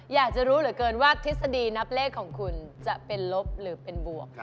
อยากจะรู้เหลือเกินว่าทฤษฎีนับเลขของคุณจะเป็นลบหรือเป็นบวก